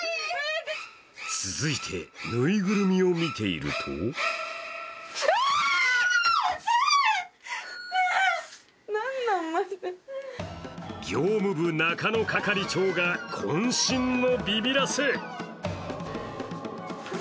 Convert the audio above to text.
続いて、ぬいぐるみを見ていると業務部・中野係長がこん身のビビらせ！